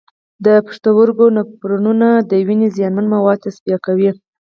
د پښتورګو نفرونونه د وینې زیانمن مواد تصفیه کوي.